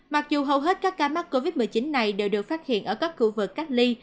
mặc dù hầu hết các ca mắc covid một mươi chín này đều được phát hiện ở các khu vực cách ly